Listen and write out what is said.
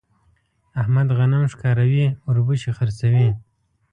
احمد غنم ښکاروي ـ اوربشې خرڅوي.